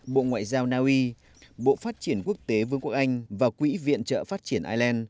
bộ ngoại giao naui bộ phát triển quốc tế vương quốc anh và quỹ viện trợ phát triển ireland